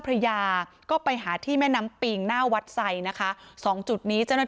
พระยาก็ไปหาที่แม่น้ำปิงหน้าวัดไซนะคะสองจุดนี้เจ้าหน้าที่